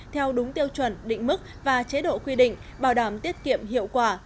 theo đúng tiêu chuẩn định mức và chế độ quy định bảo đảm tiết kiệm hiệu quả